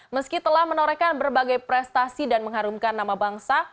meski telah menorehkan berbagai prestasi dan mengharumkan nama bangsa